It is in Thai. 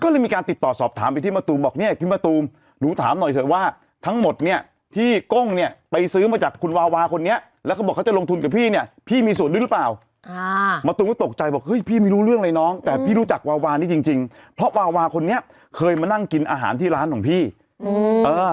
หรือเปล่าอ่ามัติต์ก็ตกใจบอกเฮ้ยพี่ไม่รู้เรื่องอะไรน้องแต่พี่รู้จากวาวานี่จริงจริงเพราะวาวาคนนี้เคยมานั่งกินอาหารที่ร้านของพี่อืมอ่า